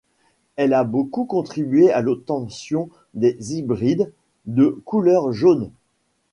Elle a beaucoup contribué a l'obtention des hybrides de couleur jaune.